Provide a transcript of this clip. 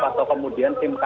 atau kemudian diperlukan